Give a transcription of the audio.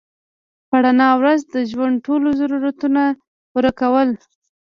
په رڼا ورځ د ژوند ټول ضرورتونه پوره کول